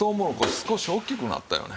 少し大きくなったよね。